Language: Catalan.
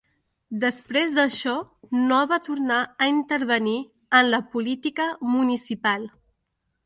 Després d'això no va tornar a intervenir en la política municipal.